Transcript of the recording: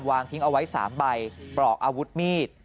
วางทิ้งเอาไว้๓ใบปลอกอาวุธมีด